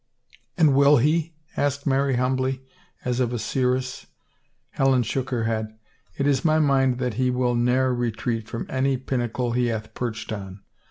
" And will he? " asked Mary humbly as of a seeress. Helen shook her head. It is my mind that he will ne'er retreat from any pinnacle he hath perched on.